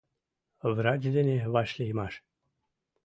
ВРАЧ ДЕНЕ ВАШЛИЙМАШ